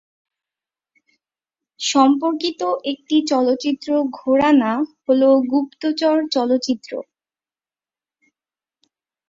সম্পর্কিত একটি চলচ্চিত্র ঘরানা হল গুপ্তচর চলচ্চিত্র।